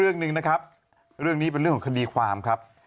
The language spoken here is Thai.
เป็นเรื่องของคดีความครับ